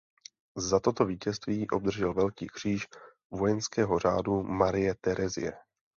Za toto vítězství obdržel velký kříž vojenského řádu Marie Terezie.